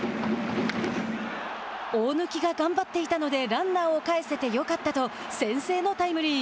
大貫が頑張っていたのでランナーを帰せてよかったと先制のタイムリー。